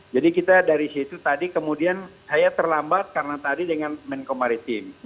jadi kita dari situ tadi kemudian saya terlambat karena tadi dengan menko maritim